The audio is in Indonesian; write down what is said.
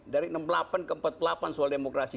dari enam puluh delapan ke empat puluh delapan soal demokrasi